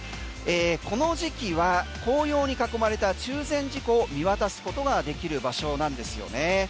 この時期は紅葉に囲まれた中禅寺湖を見渡すことができる場所なんですよね。